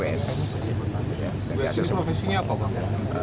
ws ini profesinya apa pak